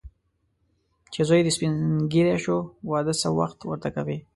چې زوی دې سپین ږیری شو، واده څه وخت ورته کوې.